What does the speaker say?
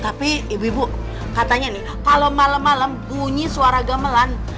tapi ibu ibu katanya nih kalau malam malam bunyi suara gamelan